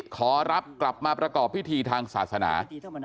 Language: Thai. ขอรับกลับมาประกอบพิธีทางศาสนา